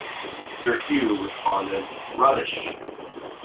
Sir Hugh responded, Rubbish!